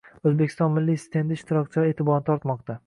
O‘zbekiston milliy stendi ishtirokchilar e’tiborini tortmoqda